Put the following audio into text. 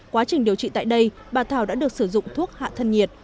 quá trình điều trị tại đây bà thảo đã được sử dụng thuốc hạ thân nhiệt